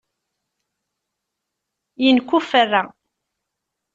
Yenkuffera.